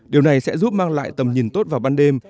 điều này sẽ giúp mang lại tầm nhìn tốt vào ban đêm